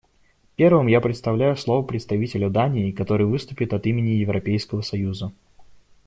Первым я предоставляю слово представителю Дании, который выступит от имени Европейского союза.